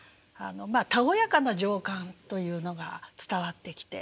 たおやかな情感というのが伝わってきて。